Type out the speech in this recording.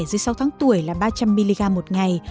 dưới sáu tháng tuổi là ba trăm linh mg một ngày